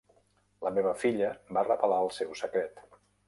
La meva filla va revelar el seu secret.